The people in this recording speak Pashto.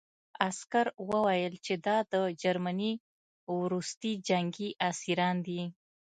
عسکر وویل چې دا د جرمني وروستي جنګي اسیران دي